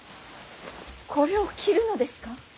これを着るのですか。